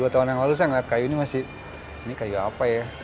dua tahun yang lalu saya ngeliat kayu ini masih ini kayu apa ya